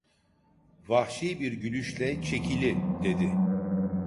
Vahşi bir gülüşle: "Çekili" dedi.